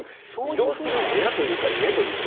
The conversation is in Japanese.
移動する部屋というか家というか。